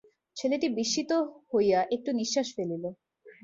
ছেলেটি বিস্মিত হইয়া একটু নিশ্বাস ফেলিল।